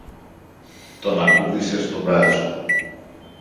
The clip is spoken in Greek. τον ακούμπησε στο μπράτσο